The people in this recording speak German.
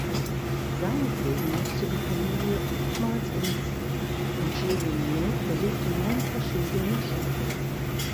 Seinetwegen musste die Familie oftmals umziehen und Julianne Moore besuchte neun verschiedene Schulen.